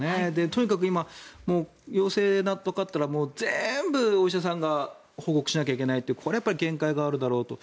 とにかく今、陽性がわかったら全部お医者さんが報告しないといけないってこれは限界があるだろうと。